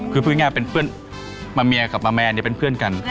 คือพูดง่ายเป็นเพื่อนมาเมียกับมาแมนเป็นเพื่อนกัน